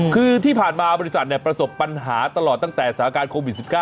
คือที่ผ่านมาบริษัทประสบปัญหาตลอดตั้งแต่สถานการณ์โควิด๑๙